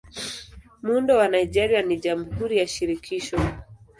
Muundo wa Nigeria ni Jamhuri ya Shirikisho.